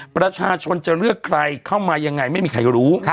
ประชาชนจะเลือกใครเข้ามายังไงไม่มีใครรู้